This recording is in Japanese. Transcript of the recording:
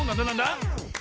なんだ？